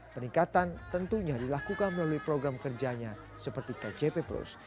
peningkatan tentunya dilakukan melalui program kerjanya seperti kjp plus